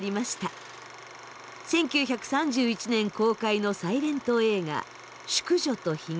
１９３１年公開のサイレント映画「淑女と髯」。